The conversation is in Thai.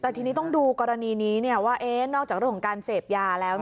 แต่ทีนี้ต้องดูกรณีนี้ว่านอกจากเรื่องของการเสพยาแล้ว